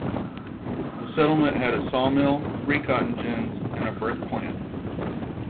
The settlement had a sawmill, three cotton gins, and a brick plant.